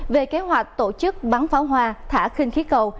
về kế hoạch tổ chức bắn pháo hoa thả khinh khí cầu